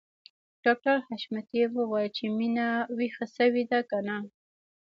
ډاکټر حشمتي وويل چې مينه ويښه شوې ده که نه